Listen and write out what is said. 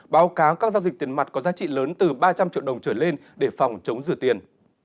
báo cáo các giao dịch tiền mặt có giá trị lớn từ ba trăm linh triệu đồng trở lên để phòng chống rửa tiền